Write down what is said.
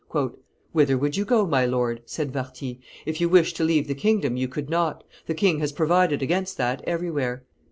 "Whither would you go, my lord?" said Warthy: "if you wished to leave the kingdom, you could not; the king has provided against that everywhere."